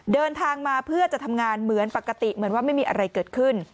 เดินทางมาเพื่อจะทำงานเหมือนปกติเหมือนว่าไม่มีอะไรเกิดขึ้น